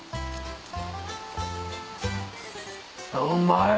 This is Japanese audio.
うまい！